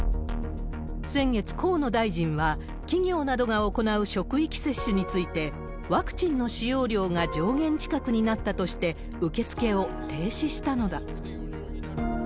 先月、河野大臣は企業などが行う職域接種について、ワクチンの使用量が上限近くになったとして、受け付けを停止したのだ。